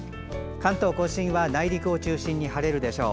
関東・甲信は内陸を中心に晴れるでしょう。